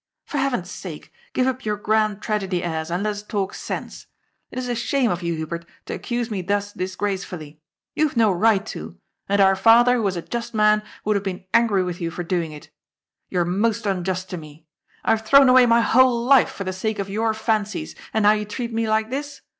For Heaven's sake, give up your grand tragedy airs, and let us talk sense. It is a 842 GOD'S POOL. shame of yon, Hubert, to accuse me thus disgracefully. You have no right to, and our father, who was a just man, would haye been angry with you for doing it. You are most unjust to me. I have thrown away my whole life for the sake of your fancies, and now you treat me like this